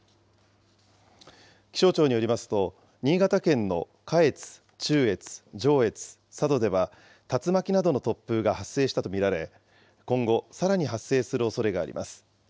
気象庁によりますと、新潟県の下越、中越、上越、佐渡では、竜巻などの突風が発生したと見られ、今後、さらに発生するおそれがあります。